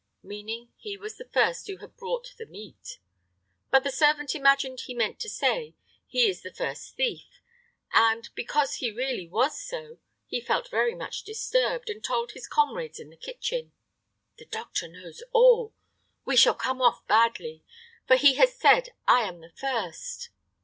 meaning he was the first who had brought in meat. But the servant imagined he meant to say, "He is the first thief!" and because he really was so, he felt very much disturbed, and told his comrades in the kitchen, "The doctor knows all; we shall come off badly, for he has said I am the first!"